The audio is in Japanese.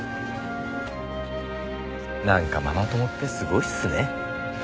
なんかママ友ってすごいっすね。